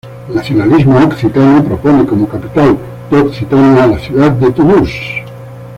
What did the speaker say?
El nacionalismo occitano propone como capital de Occitania a la ciudad de Toulouse.